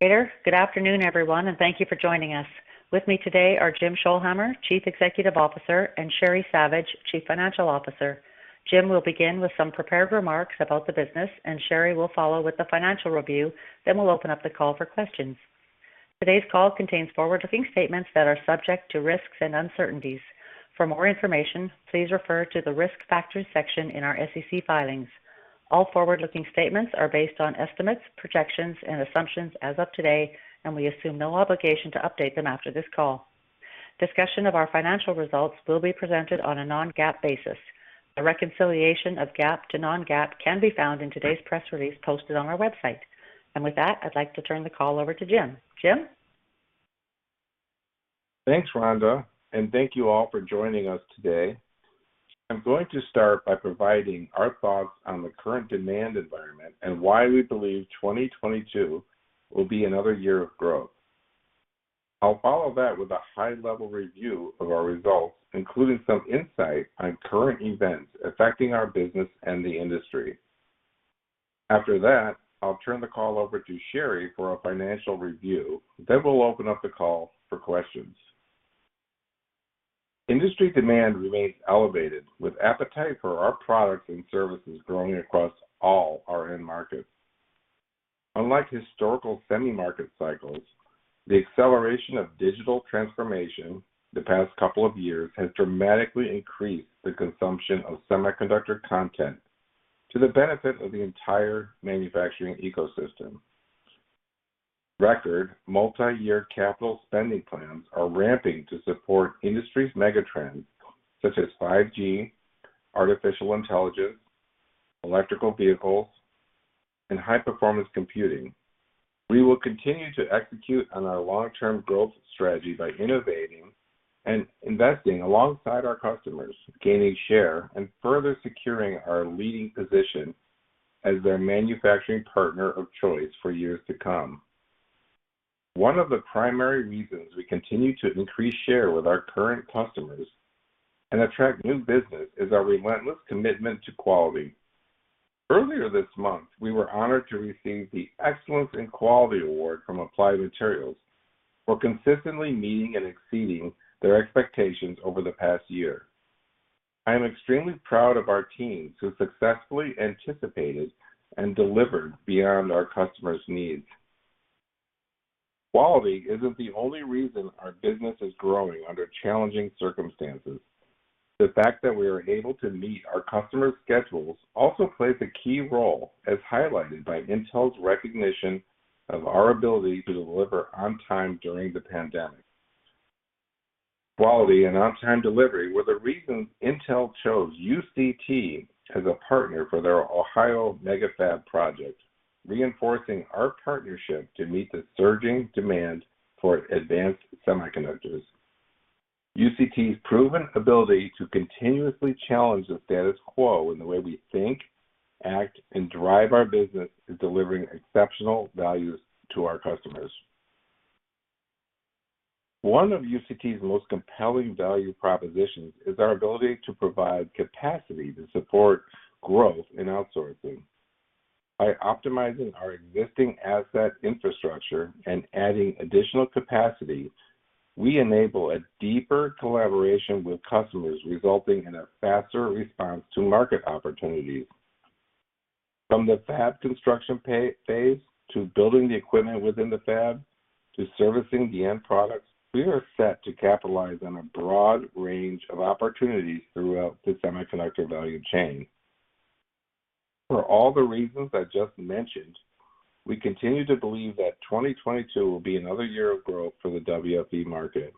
Good afternoon, everyone, and thank you for joining us. With me today are Jim Scholhamer, Chief Executive Officer, and Sheri Savage, Chief Financial Officer. Jim will begin with some prepared remarks about the business, and Sheri will follow with the financial review. Then we'll open up the call for questions. Today's call contains forward-looking statements that are subject to risks and uncertainties. For more information, please refer to the Risk Factors section in our SEC filings. All forward-looking statements are based on estimates, projections, and assumptions as of today, and we assume no obligation to update them after this call. Discussion of our financial results will be presented on a non-GAAP basis. A reconciliation of GAAP to non-GAAP can be found in today's press release posted on our website. With that, I'd like to turn the call over to Jim. Jim? Thanks, Rhonda, and thank you all for joining us today. I'm going to start by providing our thoughts on the current demand environment and why we believe 2022 will be another year of growth. I'll follow that with a high-level review of our results, including some insight on current events affecting our business and the industry. After that, I'll turn the call over to Sheri for a financial review. Then we'll open up the call for questions. Industry demand remains elevated, with appetite for our products and services growing across all our end markets. Unlike historical semi-market cycles, the acceleration of digital transformation the past couple of years has dramatically increased the consumption of semiconductor content to the benefit of the entire manufacturing ecosystem. Record multi-year capital spending plans are ramping to support industry's megatrends such as 5G, artificial intelligence, electric vehicles, and high-performance computing. We will continue to execute on our long-term growth strategy by innovating and investing alongside our customers, gaining share, and further securing our leading position as their manufacturing partner of choice for years to come. One of the primary reasons we continue to increase share with our current customers and attract new business is our relentless commitment to quality. Earlier this month, we were honored to receive the Excellence in Quality Award from Applied Materials for consistently meeting and exceeding their expectations over the past year. I am extremely proud of our teams who successfully anticipated and delivered beyond our customers' needs. Quality isn't the only reason our business is growing under challenging circumstances. The fact that we are able to meet our customers' schedules also plays a key role, as highlighted by Intel's recognition of our ability to deliver on time during the pandemic. Quality and on-time delivery were the reasons Intel chose UCT as a partner for their Ohio mega-fab project, reinforcing our partnership to meet the surging demand for advanced semiconductors. UCT's proven ability to continuously challenge the status quo in the way we think, act, and drive our business is delivering exceptional value to our customers. One of UCT's most compelling value propositions is our ability to provide capacity to support growth in outsourcing. By optimizing our existing asset infrastructure and adding additional capacity, we enable a deeper collaboration with customers, resulting in a faster response to market opportunities. From the fab construction phase, to building the equipment within the fab, to servicing the end products, we are set to capitalize on a broad range of opportunities throughout the semiconductor value chain. For all the reasons I just mentioned, we continue to believe that 2022 will be another year of growth for the WFE market.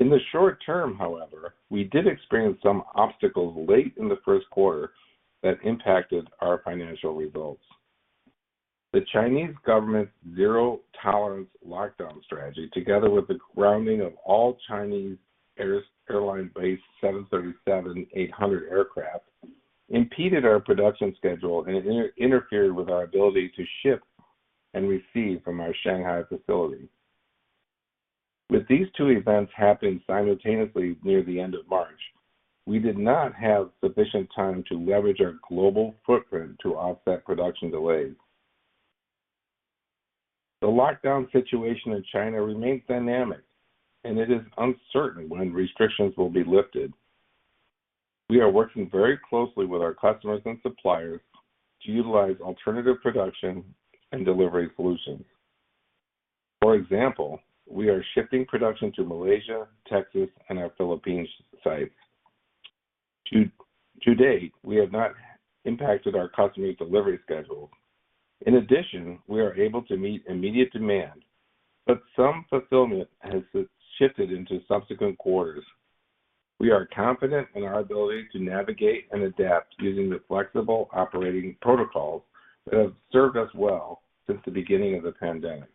In the short term, however, we did experience some obstacles late in the first quarter that impacted our financial results. The Chinese government's zero-tolerance lockdown strategy, together with the grounding of all Chinese airline-based 737-800 aircraft, impeded our production schedule and interfered with our ability to ship and receive from our Shanghai facility. With these two events happening simultaneously near the end of March, we did not have sufficient time to leverage our global footprint to offset production delays. The lockdown situation in China remains dynamic, and it is uncertain when restrictions will be lifted. We are working very closely with our customers and suppliers to utilize alternative production and delivery solutions. For example, we are shifting production to Malaysia, Texas, and our Philippines sites. To date, we have not impacted our customer delivery schedule. In addition, we are able to meet immediate demand, but some fulfillment has shifted into subsequent quarters. We are confident in our ability to navigate and adapt using the flexible operating protocols that have served us well since the beginning of the pandemic.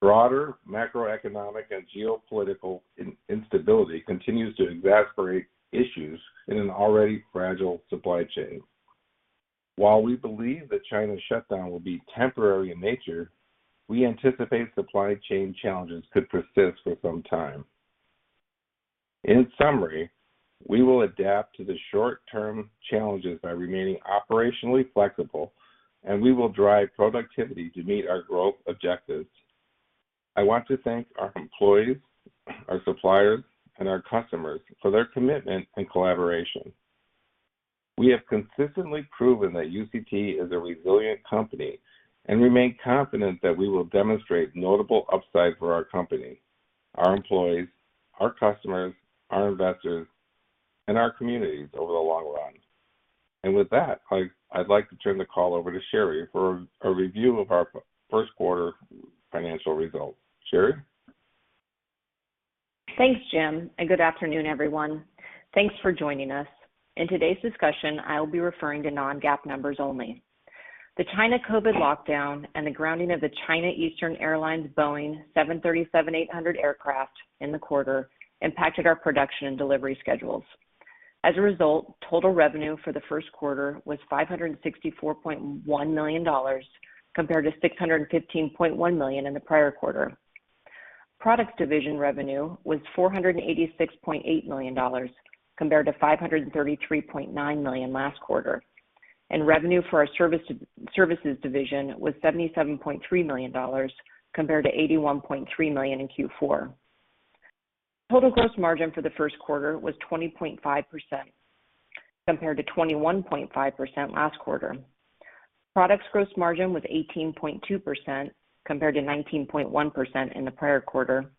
Broader macroeconomic and geopolitical instability continues to exacerbate issues in an already fragile supply chain. While we believe that China's shutdown will be temporary in nature, we anticipate supply chain challenges could persist for some time. In summary, we will adapt to the short-term challenges by remaining operationally flexible, and we will drive productivity to meet our growth objectives. I want to thank our employees, our suppliers, and our customers for their commitment and collaboration. We have consistently proven that UCT is a resilient company, and remain confident that we will demonstrate notable upside for our company, our employees, our customers, our investors, and our communities over the long run. With that, I'd like to turn the call over to Sheri for a review of our first quarter financial results. Sheri? Thanks, Jim, and good afternoon, everyone. Thanks for joining us. In today's discussion, I'll be referring to non-GAAP numbers only. The China COVID lockdown and the grounding of the China Eastern Airlines Boeing 737-800 aircraft in the quarter impacted our production and delivery schedules. As a result, total revenue for the first quarter was $564.1 million, compared to $615.1 million in the prior quarter. Products Division revenue was $486.8 million, compared to $533.9 million last quarter. Revenue for our Services Division was $77.3 million, compared to $81.3 million in Q4. Total gross margin for the first quarter was 20.5% compared to 21.5% last quarter. Products gross margin was 18.2% compared to 19.1% in the prior quarter.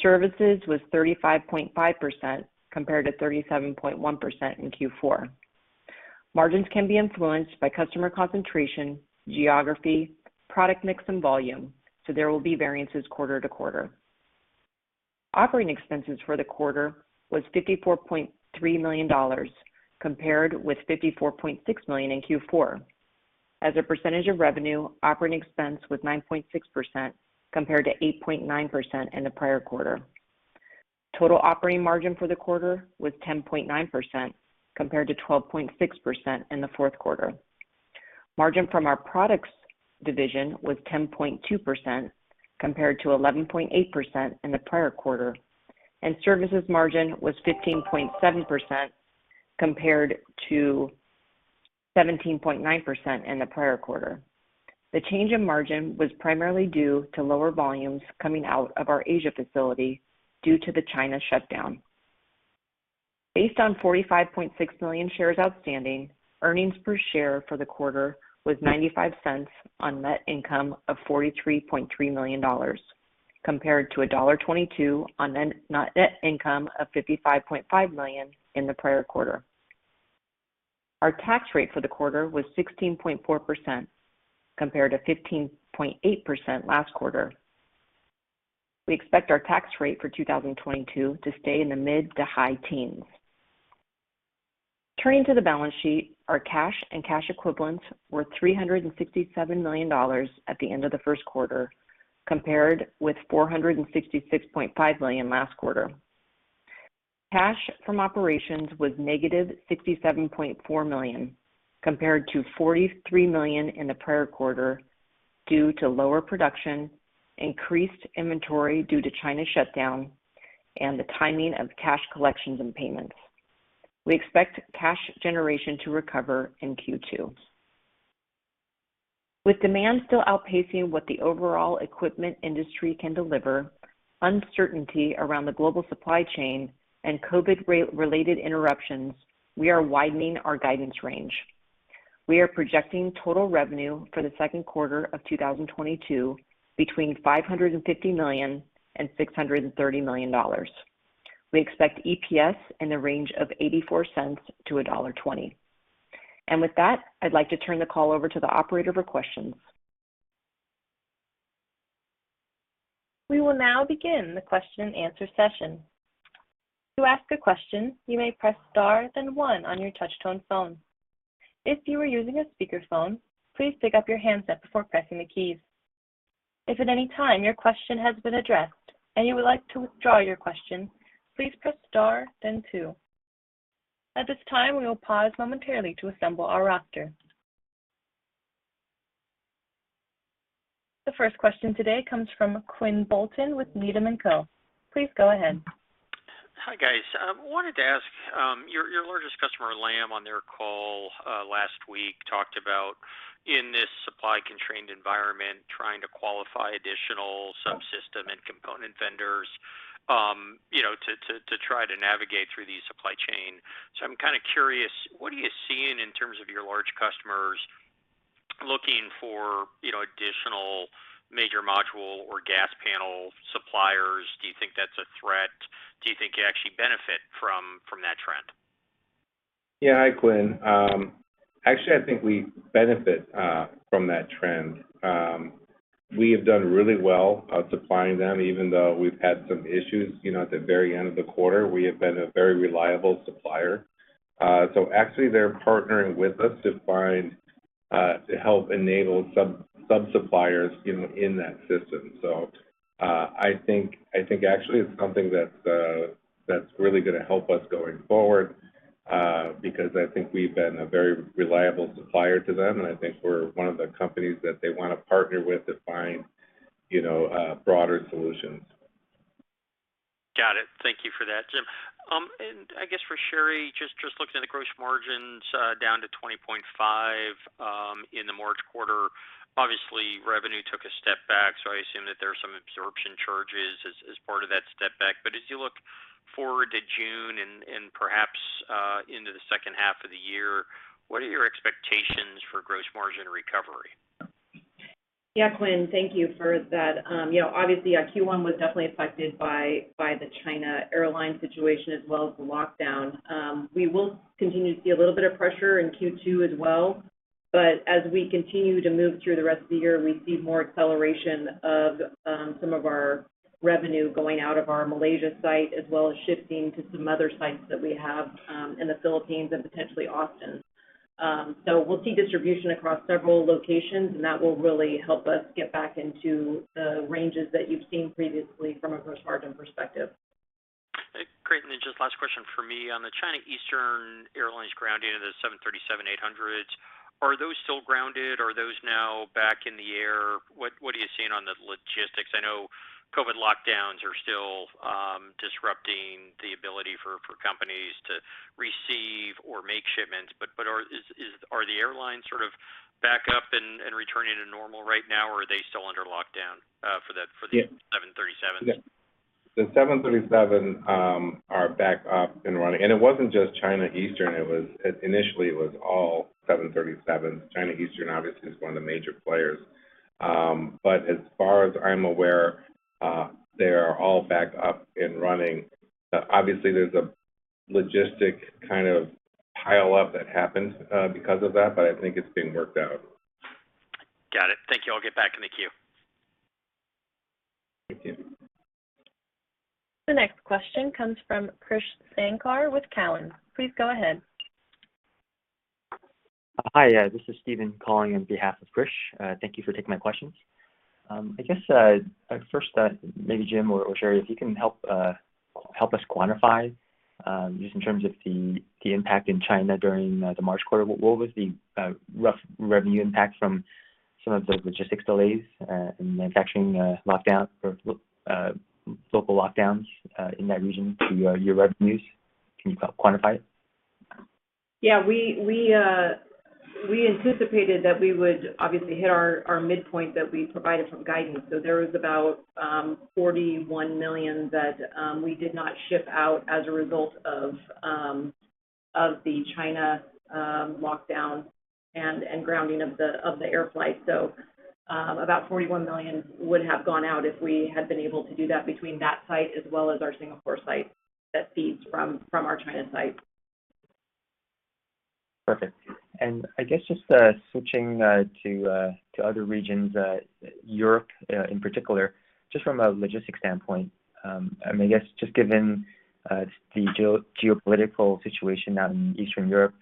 Services was 35.5% compared to 37.1% in Q4. Margins can be influenced by customer concentration, geography, product mix, and volume, so there will be variances quarter to quarter. Operating expenses for the quarter was $54.3 million, compared with $54.6 million in Q4. As a percentage of revenue, operating expense was 9.6% compared to 8.9% in the prior quarter. Total operating margin for the quarter was 10.9% compared to 12.6% in the fourth quarter. Margin from our Products division was 10.2% compared to 11.8% in the prior quarter. Services margin was 15.7% compared to 17.9% in the prior quarter. The change in margin was primarily due to lower volumes coming out of our Asia facility due to the China shutdown. Based on 45.6 million shares outstanding, earnings per share for the quarter was $0.95 on net income of $43.3 million, compared to $1.22 on net income of $55.5 million in the prior quarter. Our tax rate for the quarter was 16.4% compared to 15.8% last quarter. We expect our tax rate for 2022 to stay in the mid to high teens. Turning to the balance sheet, our cash and cash equivalents were $367 million at the end of the first quarter, compared with $466.5 million last quarter. Cash from operations was -$67.4 million, compared to $43 million in the prior quarter due to lower production, increased inventory due to China shutdown, and the timing of cash collections and payments. We expect cash generation to recover in Q2. With demand still outpacing what the overall equipment industry can deliver, uncertainty around the global supply chain and COVID-related interruptions, we are widening our guidance range. We are projecting total revenue for the second quarter of 2022 between $550 million and $630 million. We expect EPS in the range of $0.84-$1.20. With that, I'd like to turn the call over to the operator for questions. We will now begin the question and answer session. To ask a question, you may press star then one on your touch tone phone. If you are using a speaker phone, please pick up your handset before pressing the keys. If at any time your question has been addressed and you would like to withdraw your question, please press star then two. At this time, we will pause momentarily to assemble our roster. The first question today comes from Quinn Bolton with Needham & Company. Please go ahead. Hi, guys. Wanted to ask your largest customer, Lam, on their call last week talked about in this supply constrained environment, trying to qualify additional subsystem and component vendors to try to navigate through the supply chain. I'm kind of curious, what are you seeing in terms of your large customers looking for, you know, additional major module or gas panel suppliers? Do you think that's a threat? Do you think you actually benefit from that trend? Yeah. Hi, Quinn. Actually, I think we benefit from that trend. We have done really well supplying them, even though we've had some issues, you know, at the very end of the quarter. We have been a very reliable supplier. Actually they're partnering with us to find to help enable sub-sub-suppliers, you know, in that system. I think actually it's something that's really gonna help us going forward. Because I think we've been a very reliable supplier to them, and I think we're one of the companies that they wanna partner with to find, you know, broader solutions. Got it. Thank you for that, Jim. I guess for Sheri, just looking at the gross margins down to 20.5% in the March quarter. Obviously, revenue took a step back, so I assume that there are some absorption charges as part of that step back. As you look forward to June and perhaps into the second half of the year, what are your expectations for gross margin recovery? Yeah, Quinn, thank you for that. You know, obviously, our Q1 was definitely affected by the China airline situation as well as the lockdown. We will continue to see a little bit of pressure in Q2 as well, but as we continue to move through the rest of the year, we see more acceleration of some of our revenue going out of our Malaysia site, as well as shifting to some other sites that we have in the Philippines and potentially Austin. So we'll see distribution across several locations, and that will really help us get back into the ranges that you've seen previously from a gross margin perspective. Great. Just last question from me. On the China Eastern Airlines grounding of the 737-800s, are those still grounded? Are those now back in the air? What are you seeing on the logistics? I know COVID lockdowns are still disrupting the ability for companies to receive or make shipments, but are the airlines sort of back up and returning to normal right now, or are they still under lockdown? Yeah... for the 737s? Yeah. The 737 are back up and running. It wasn't just China Eastern, it was initially all 737s. China Eastern obviously is one of the major players. But as far as I'm aware, they are all back up and running. Obviously there's a logistic kind of pileup that happened because of that, but I think it's being worked out. Got it. Thank you. I'll get back in the queue. Thank you. The next question comes from Krish Sankar with Cowen. Please go ahead. Hi, this is Steven calling on behalf of Krish. Thank you for taking my questions. I guess first, maybe Jim or Sheri, if you can help us quantify just in terms of the impact in China during the March quarter. What was the rough revenue impact from some of the logistics delays and manufacturing lockdown or local lockdowns in that region to your revenues? Can you quantify it? Yeah. We anticipated that we would obviously hit our midpoint that we provided from guidance. There was about $41 million that we did not ship out as a result of the China lockdown and grounding of the airfreight. About $41 million would have gone out if we had been able to do that between that site as well as our Singapore site that feeds from our China site. Perfect. I guess just switching to other regions, Europe in particular, just from a logistics standpoint, I mean, I guess just given the geopolitical situation out in Eastern Europe,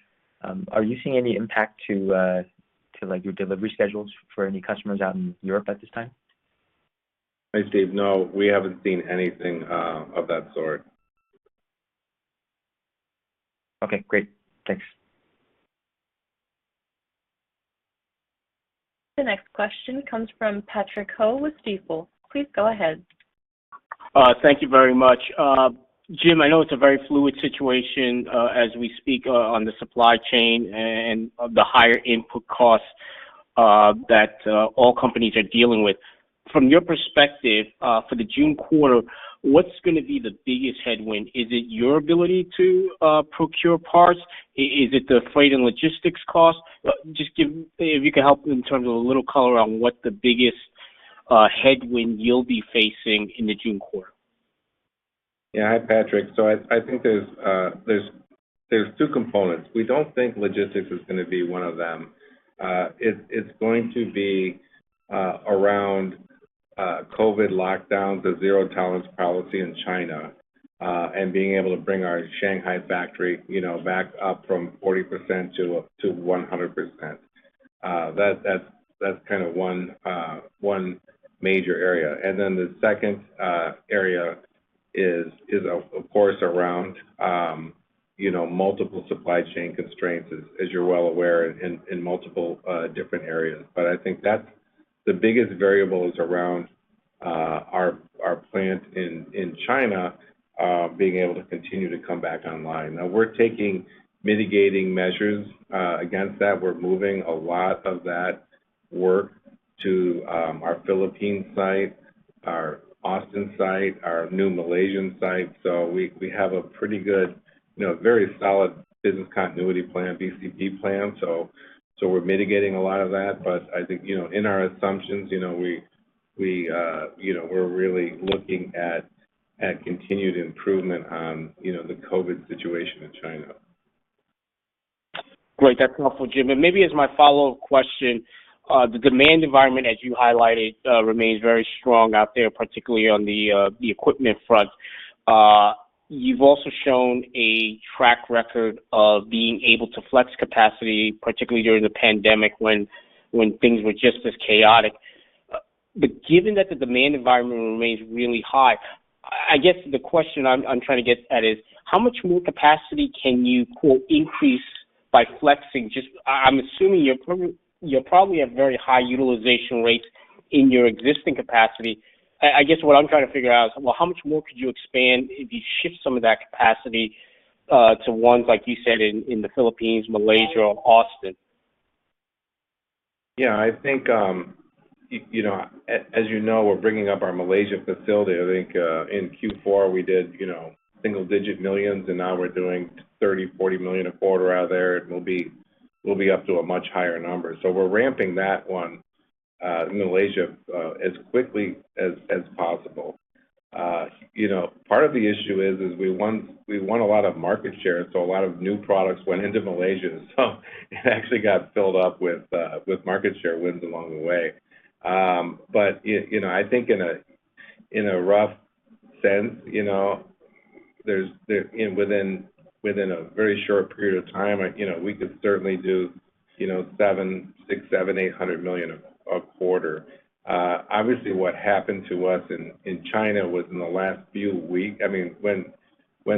are you seeing any impact to like your delivery schedules for any customers out in Europe at this time? Hey, Steve. No, we haven't seen anything of that sort. Okay, great. Thanks. The next question comes from Patrick Ho with Stifel. Please go ahead. Thank you very much. Jim, I know it's a very fluid situation, as we speak, on the supply chain and of the higher input costs, that all companies are dealing with. From your perspective, for the June quarter, what's gonna be the biggest headwind? Is it your ability to procure parts? Is it the freight and logistics costs? If you could help in terms of a little color on what the biggest headwind you'll be facing in the June quarter. Yeah. Hi, Patrick. I think there's two components. We don't think logistics is gonna be one of them. It's going to be around COVID lockdowns, the zero-tolerance policy in China, and being able to bring our Shanghai factory, you know, back up from 40% to 100%. That's kind of one major area. Then the second area is of course around, you know, multiple supply chain constraints, as you're well aware in multiple different areas. But I think that's. The biggest variable is around our plant in China being able to continue to come back online. Now, we're taking mitigating measures against that. We're moving a lot of that work to our Philippines site, our Austin site, our new Malaysian site. We have a pretty good, you know, very solid business continuity plan, BCP plan. We're mitigating a lot of that. I think, you know, in our assumptions, you know, we, you know, we're really looking at continued improvement on, you know, the COVID situation in China. Great. That's helpful, Jim. Maybe as my follow-up question, the demand environment, as you highlighted, remains very strong out there, particularly on the equipment front. You've also shown a track record of being able to flex capacity, particularly during the pandemic when things were just as chaotic. Given that the demand environment remains really high, I guess the question I'm trying to get at is how much more capacity can you, quote, increase by flexing? Just, I'm assuming you probably have very high utilization rates in your existing capacity. I guess what I'm trying to figure out, well, how much more could you expand if you shift some of that capacity to ones like you said in the Philippines, Malaysia, or Austin? Yeah, I think, you know, as you know, we're bringing up our Malaysia facility. I think, in Q4, we did, you know, single-digit millions, and now we're doing $30 million-$40 million a quarter out of there. We'll be up to a much higher number. We're ramping that one in Malaysia as quickly as possible. You know, part of the issue is we won a lot of market share, and so a lot of new products went into Malaysia. It actually got filled up with market share wins along the way. You know, I think in a rough sense, you know, there's within a very short period of time, you know, we could certainly do, you know, $600-$800 million a quarter. Obviously, what happened to us in China was in the last few weeks. I mean, when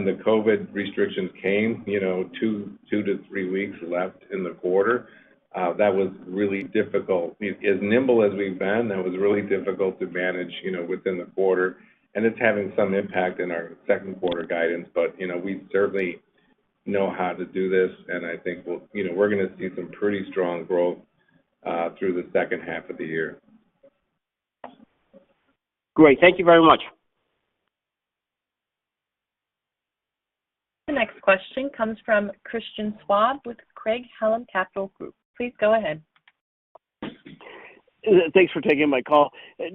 the COVID restrictions came, you know, two to three weeks left in the quarter, that was really difficult. As nimble as we've been, that was really difficult to manage, you know, within the quarter, and it's having some impact in our second quarter guidance. You know, we certainly know how to do this, and I think, you know, we're gonna see some pretty strong growth through the second half of the year. Great. Thank you very much. The next question comes from Christian Schwab with Craig-Hallum Capital Group. Please go ahead. Thanks for taking my call.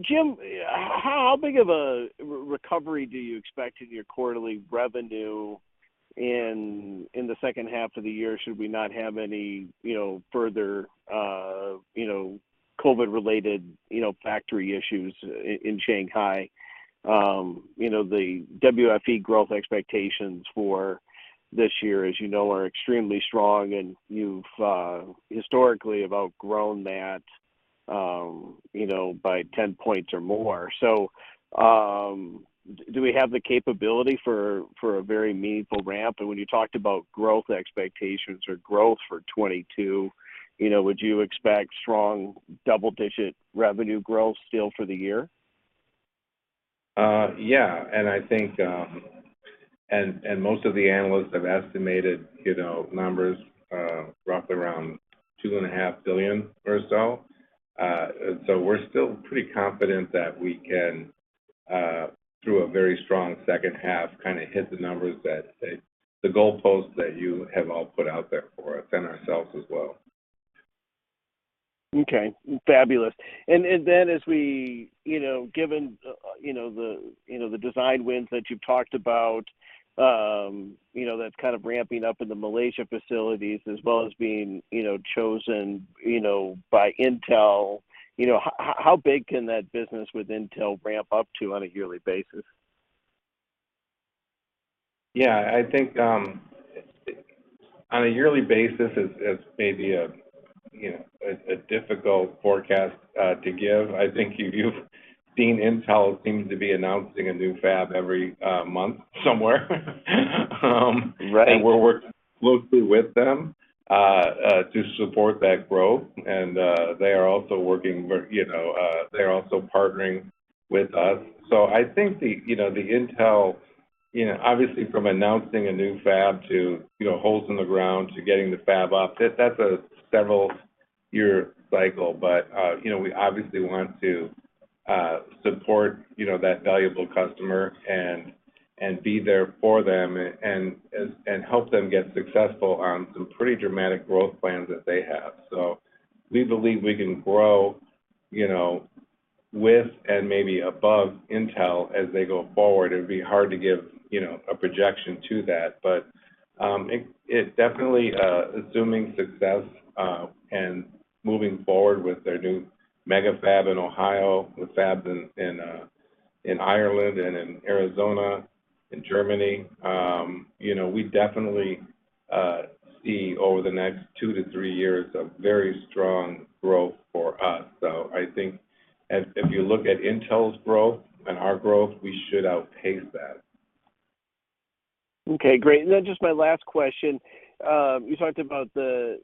Jim, how big of a recovery do you expect in your quarterly revenue in the second half of the year, should we not have any, you know, further, you know, COVID-related, you know, factory issues in Shanghai? The WFE growth expectations for this year, as you know, are extremely strong, and you've historically have outgrown that, you know, by 10 points or more. Do we have the capability for a very meaningful ramp? When you talked about growth expectations or growth for 2022, you know, would you expect strong double-digit revenue growth still for the year? Yeah. I think most of the analysts have estimated, you know, numbers roughly around $2.5 billion or so. We're still pretty confident that we can through a very strong second half kind of hit the numbers that the goalposts that you have all put out there for us and ourselves as well. Okay. Fabulous. You know, given you know, the you know, the design wins that you've talked about you know, that's kind of ramping up in the Malaysia facilities as well as being you know, chosen you know, by Intel, you know, how big can that business with Intel ramp up to on a yearly basis? Yeah. I think on a yearly basis is maybe, you know, a difficult forecast to give. I think you've seen Intel seems to be announcing a new fab every month somewhere. Right. We're working closely with them to support that growth. They're also partnering with us. I think the Intel, you know, obviously from announcing a new fab to, you know, holes in the ground to getting the fab up, that's a several year cycle. We obviously want to support, you know, that valuable customer and be there for them and help them get successful on some pretty dramatic growth plans that they have. We believe we can grow, you know, with and maybe above Intel as they go forward. It'd be hard to give, you know, a projection to that. It definitely, assuming success and moving forward with their new mega-fab in Ohio, with fabs in Ireland and in Arizona, in Germany, you know, we definitely see over the next two to three years a very strong growth for us. I think if you look at Intel's growth and our growth, we should outpace that. Okay, great. Just my last question. You talked about the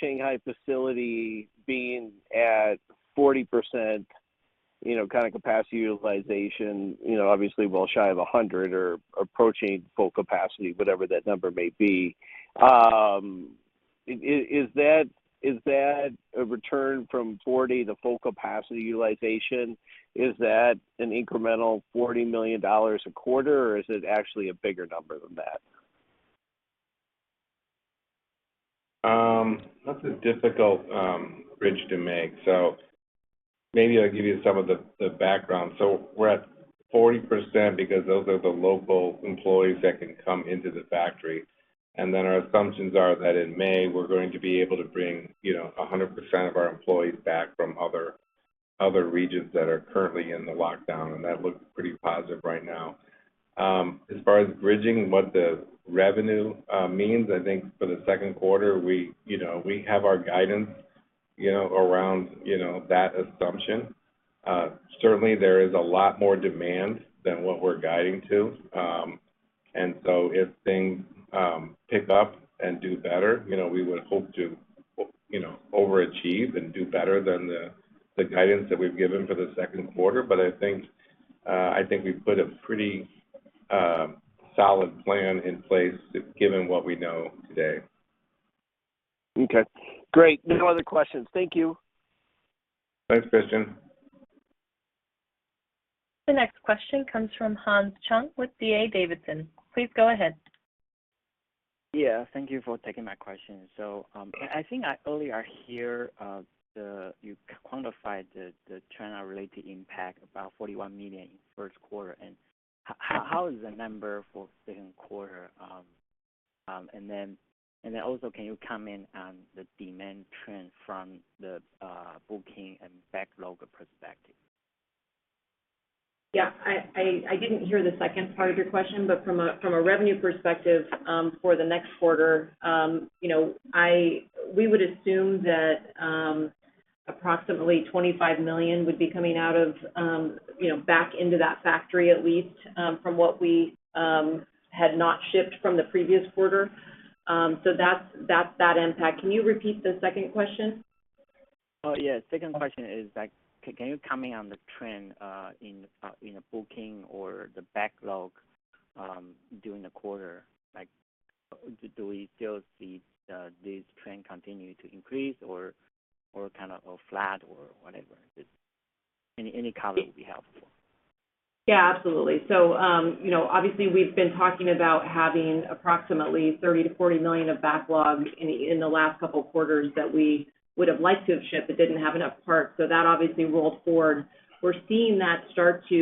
Shanghai facility being at 40%, you know, kind of capacity utilization, you know, obviously well shy of 100 or approaching full capacity, whatever that number may be. Is that a return from 40 to full capacity utilization? Is that an incremental $40 million a quarter, or is it actually a bigger number than that? That's a difficult bridge to make, so maybe I'll give you some of the background. We're at 40% because those are the local employees that can come into the factory. Then our assumptions are that in May, we're going to be able to bring, you know, 100% of our employees back from other regions that are currently in the lockdown, and that looks pretty positive right now. As far as bridging what the revenue means, I think for the second quarter we, you know, we have our guidance, you know, around, you know, that assumption. Certainly, there is a lot more demand than what we're guiding to. If things pick up and do better, you know, we would hope to, you know, overachieve and do better than the guidance that we've given for the second quarter. I think we've put a pretty solid plan in place given what we know today. Okay, great. No other questions. Thank you. Thanks, Christian. The next question comes from Hans Chung with D.A. Davidson. Please go ahead. Yeah, thank you for taking my question. So, I think I earlier heard you quantified the China-related impact, about $41 million in first quarter. How is the number for second quarter? Then also, can you comment on the demand trend from the booking and backlog perspective? Yeah, I didn't hear the second part of your question, but from a revenue perspective, for the next quarter, you know, we would assume that approximately $25 million would be coming out of, you know, back into that factory at least, from what we had not shipped from the previous quarter. That's that impact. Can you repeat the second question? Oh, yeah. Second question is like can you comment on the trend in a booking or the backlog during the quarter? Like, do we still see this trend continue to increase or kind of flat or whatever? Just any comment would be helpful. Yeah, absolutely. You know, obviously we've been talking about having approximately $30 million-$40 million of backlog in the last couple quarters that we would have liked to have shipped but didn't have enough parts. That obviously rolled forward. We're seeing that start to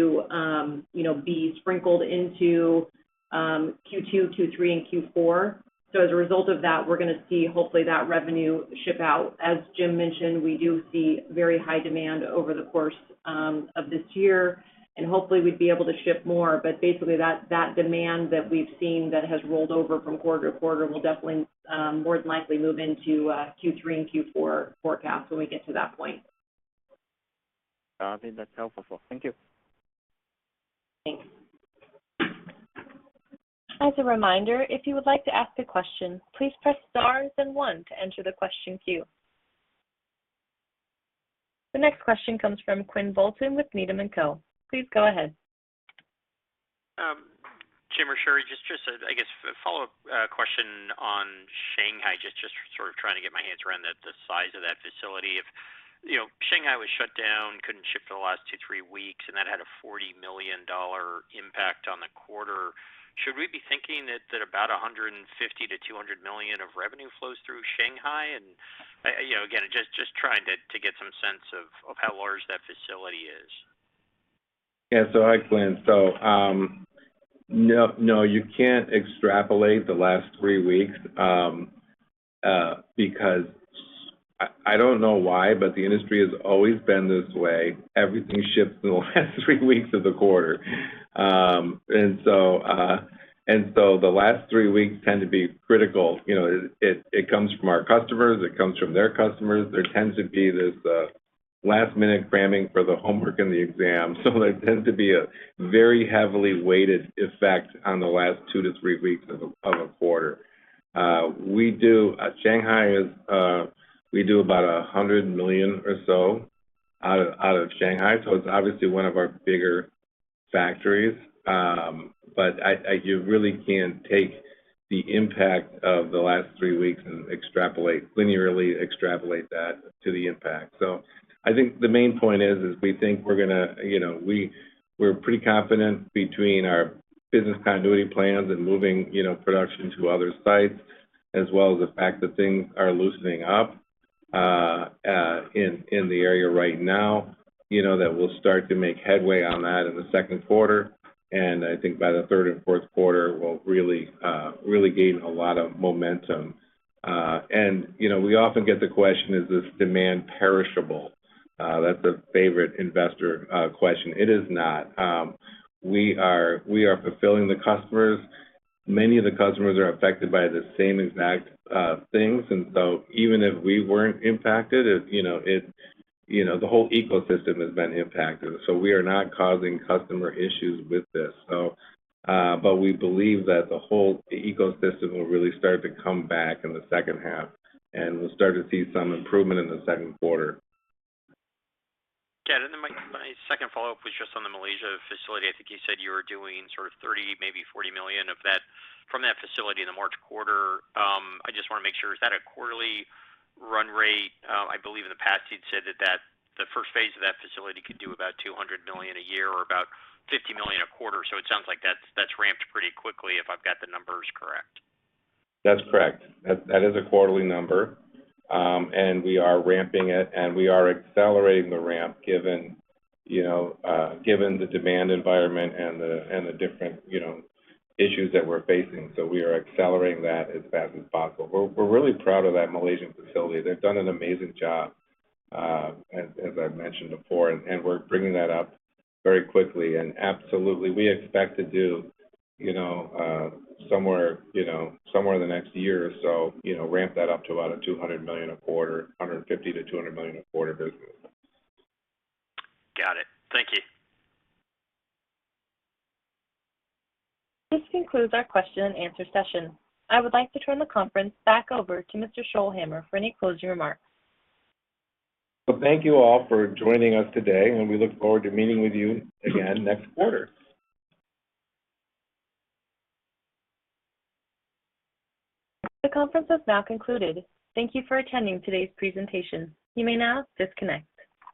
you know be sprinkled into Q2, Q3, and Q4. As a result of that, we're gonna see hopefully that revenue ship out. As Jim mentioned, we do see very high demand over the course of this year, and hopefully we'd be able to ship more. Basically that demand that we've seen that has rolled over from quarter to quarter will definitely more than likely move into Q3 and Q4 forecast when we get to that point. I think that's helpful. Thank you. Thanks. As a reminder, if you would like to ask a question, please press star then one to enter the question queue. The next question comes from Quinn Bolton with Needham & Company. Please go ahead. Jim or Sheri, just a follow-up question on Shanghai, just sort of trying to get my hands around the size of that facility. If you know, Shanghai was shut down, couldn't ship for the last two to three weeks, and that had a $40 million impact on the quarter. Should we be thinking that about $150 million-$200 million of revenue flows through Shanghai? You know, again, just trying to get some sense of how large that facility is. Hi, Quinn. No, you can't extrapolate the last three weeks because I don't know why, but the industry has always been this way. Everything ships in the last three weeks of the quarter. The last three weeks tend to be critical. You know, it comes from our customers, it comes from their customers. There tends to be this last-minute cramming for the homework and the exam. There tends to be a very heavily weighted effect on the last two to three weeks of a quarter. Shanghai, we do about $100 million or so out of Shanghai, so it's obviously one of our bigger factories. You really can't take the impact of the last three weeks and linearly extrapolate that to the impact. I think the main point is we think we're gonna, you know, we're pretty confident between our business continuity plans and moving, you know, production to other sites, as well as the fact that things are loosening up in the area right now, you know, that we'll start to make headway on that in the second quarter. I think by the third and fourth quarter, we'll really gain a lot of momentum. You know, we often get the question, is this demand perishable? That's a favorite investor question. It is not. We are fulfilling the customers. Many of the customers are affected by the same exact things. Even if we weren't impacted, you know, the whole ecosystem has been impacted. We are not causing customer issues with this. But we believe that the whole ecosystem will really start to come back in the second half, and we'll start to see some improvement in the second quarter. Yeah, my second follow-up was just on the Malaysia facility. I think you said you were doing sort of $30 million-$40 million from that facility in the March quarter. I just wanna make sure, is that a quarterly run rate? I believe in the past you'd said that the first phase of that facility could do about $200 million a year or about $50 million a quarter. It sounds like that's ramped pretty quickly, if I've got the numbers correct. That's correct. That is a quarterly number. We are ramping it, and we are accelerating the ramp, given you know the demand environment and the different you know issues that we're facing. We are accelerating that as fast as possible. We're really proud of that Malaysian facility. They've done an amazing job, as I've mentioned before, and we're bringing that up very quickly. Absolutely, we expect to do you know somewhere you know somewhere in the next year or so you know ramp that up to about a $200 million a quarter, $150 million-$200 million a quarter business. Got it. Thank you. This concludes our question and answer session. I would like to turn the conference back over to Mr. Scholhamer for any closing remarks. Well, thank you all for joining us today, and we look forward to meeting with you again next quarter. The conference has now concluded. Thank you for attending today's presentation. You may now disconnect.